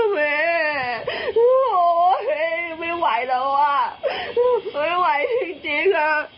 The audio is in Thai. ไม่ไหวแล้วอ่ะไม่ไหวจริงครับ